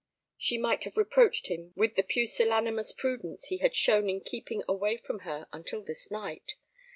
She might have reproached him with the pusillanimous prudence he had shown in keeping away from her until this night.